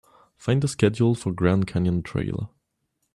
Find the schedule for Grand Canyon Trail.